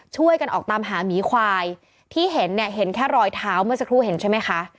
ช่วยกันออกตามหาหมีควายที่เห็นเนี่ยเห็นแค่รอยเท้าเมื่อสักครู่เห็นใช่ไหมคะ